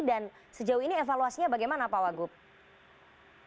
dan sejauh ini evaluasinya bagaimana pak wagub